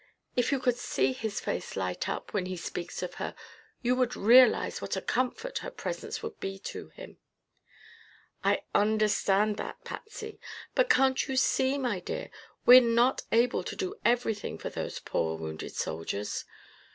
If you could see his face light up when he speaks of her, you would realize what a comfort her presence would be to him." "I understand that, Patsy. But can't you see, my dear, that we're not able to do everything for those poor wounded soldiers?